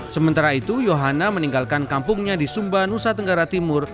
sementara itu yohana meninggalkan kampungnya di sumba nusa tenggara timur